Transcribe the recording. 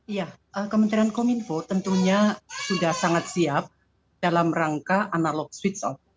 iya kementerian kominfo tentunya sudah sangat siap dalam rangka analog switch off